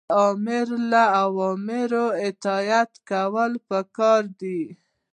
د آمر له اوامرو اطاعت کول پکار دي.